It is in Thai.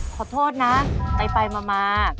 ขอโทษนะไปไปมามา